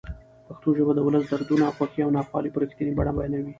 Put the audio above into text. پښتو ژبه د ولس دردونه، خوښۍ او ناخوالې په رښتینې بڼه بیانوي.